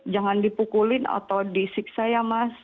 jangan dipukulin atau disiksa ya mas